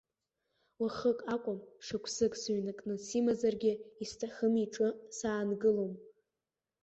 Уахык акәым, шықәсык сыҩнакны симазаргьы, исҭахым иҿы саангылом.